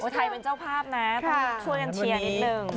ไทยเป็นเจ้าภาพนะต้องช่วยกันเชียร์นิดนึง